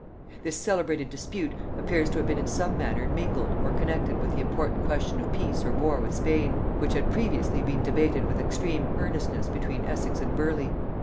This celebrated dispute appears to have been in some manner mingled or connected with the important question of peace or war with Spain, which had previously been debated with extreme earnestness between Essex and Burleigh.